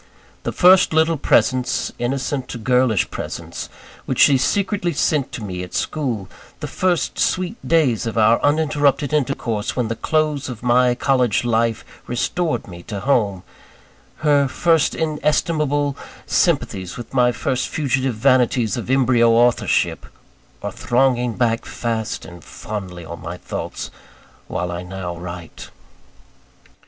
The first little presents innocent girlish presents which she secretly sent to me at school; the first sweet days of our uninterrupted intercourse, when the close of my college life restored me to home; her first inestimable sympathies with my first fugitive vanities of embryo authorship, are thronging back fast and fondly on my thoughts, while I now write.